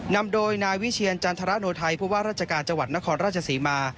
นำโดยนายวิเชียรจันทรโนไทยผู้ว่าราชการจังหวัดนครราชศรีมา